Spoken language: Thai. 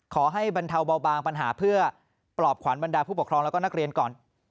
ขอให้บรรเทาเบาบางปัญหาเพื่อปลอบขวัญบรรดาผู้ปกครองแล้วก็นักเรียนก่อน